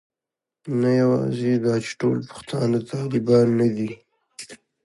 نه یوازې دا چې ټول پښتانه طالبان نه دي.